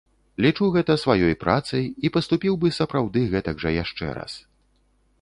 Лічу гэта сваёй працай і паступіў бы сапраўды гэтак жа яшчэ раз.